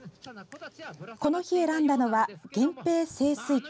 この日、選んだのは「源平盛衰記」。